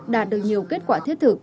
đạt được nhiều kết quả thiết thực